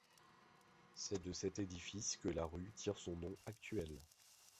C'est de cet édifice que la rue tire son nom actuel.